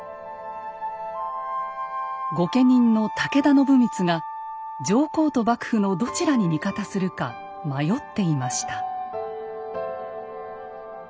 御家人の武田信光が上皇と幕府のどちらに味方するか迷っていました。